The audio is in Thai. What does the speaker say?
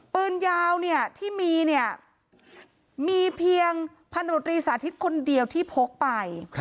ปืนยาวที่มีมีเพียงพันธุรกิจสาธิตคนเดียวที่พกไป